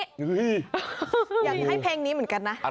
อยากให้เพลงนี้เหมือนกันนะ